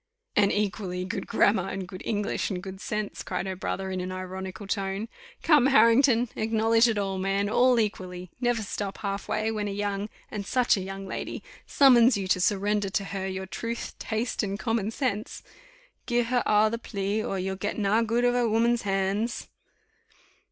"And equally good grammar, and good English, and good sense," cried her brother, in an ironical tone. "Come, Harrington, acknowledge it all, man all equally. Never stop half way, when a young and such a young lady, summons you to surrender to her your truth, taste, and common sense. Gi' her a' the plea, or you'll get na good of a woman's hands."